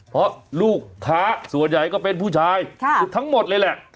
เพราะลูกค้าส่วนใหญ่ก็เป็นผู้ชายสุดทั้งหมดเลยแหละ